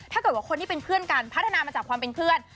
ถ้าเกิดว่าคนที่เป็นเพื่อนกันพัฒนามาจากความเป็นเพื่อน